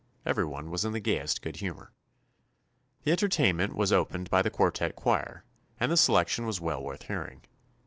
Everyone was in the gayest good humor. The entertainment was opened by the quartette choir, and the selection was well worth hearing.